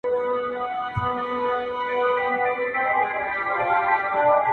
و دې پتنګ زړه ته مي ګرځمه لمبې لټوم,